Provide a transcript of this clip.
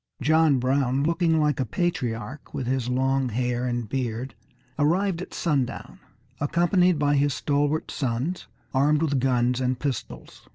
John Brown, looking like a patriarch with his long hair and beard, arrived at sundown, accompanied by his stalwart sons armed with guns and pistols.